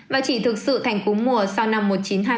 và chỉ thực sự thành cúm mùa sau năm một nghìn chín trăm hai mươi một